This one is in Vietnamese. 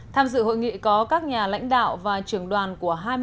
tham dự hội nghị có các nhà lãnh đạo và trưởng đoàn của hai mươi năm thập kỷ